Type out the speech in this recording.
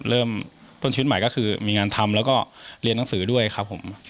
เริ่มต้นชีวิตใหม่ก็คือมีงานทำแล้วก็เรียนหนังสือด้วยครับผม